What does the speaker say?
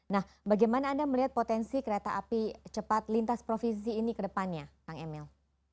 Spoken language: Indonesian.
nah bagaimana anda melihat potensi kereta api cepat lintas provinsi ini ke depannya kang emil